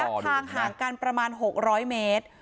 ระยะทางห่างกันประมาณหกร้อยเมตร